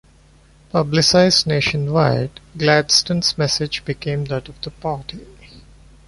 Publicised nationwide, Gladstone's message became that of the party.